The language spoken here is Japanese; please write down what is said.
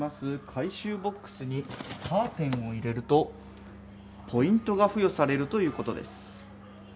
回収ボックスにカーテンを入れると、ポイントが付与されるということです。